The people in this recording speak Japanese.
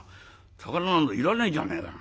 肴なんかいらないじゃねえか。